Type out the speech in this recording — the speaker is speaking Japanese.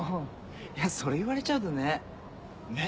それ言われちゃうとねねっ！